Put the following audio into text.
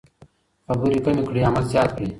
خبرې کمې کړئ عمل زیات کړئ.